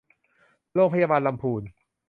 โรงพยาบาลลำพูน